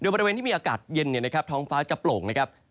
บริเวณที่มีอากาศเย็นทองฟ้าจะโปร่ง